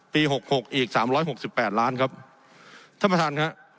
หกหกอีกสามร้อยหกสิบแปดล้านครับท่านประธานครับ